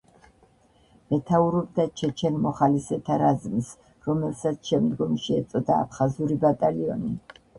მეთაურობდა ჩეჩენ მოხალისეთა რაზმს, რომელსაც შემდგომში ეწოდა „აფხაზური ბატალიონი“.